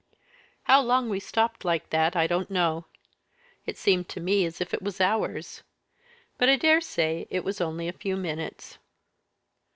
How long we stopped like that I don't know; it seemed to me as if it was hours but I daresay it was only a few minutes.